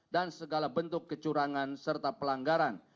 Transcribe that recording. dan segala bentuk kecurangan serta pelanggaran